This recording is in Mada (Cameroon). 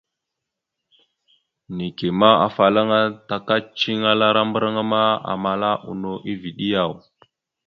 Neke ma, afalaŋa ana taka ceŋelara mbarŋa ma, amala no eveɗe yaw ?